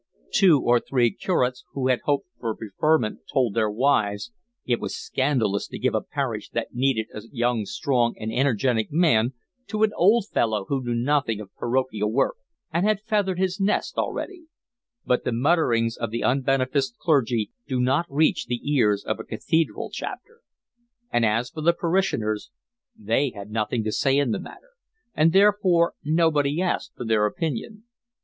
Two or three curates who had hoped for preferment told their wives it was scandalous to give a parish that needed a young, strong, and energetic man to an old fellow who knew nothing of parochial work, and had feathered his nest already; but the mutterings of the unbeneficed clergy do not reach the ears of a cathedral Chapter. And as for the parishioners they had nothing to say in the matter, and therefore nobody asked for their opinion.